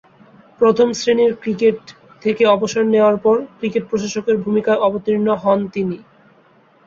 প্রথম-শ্রেণীর ক্রিকেট থেকে অবসর নেয়ার পর ক্রিকেট প্রশাসকের ভূমিকায় অবতীর্ণ হন তিনি।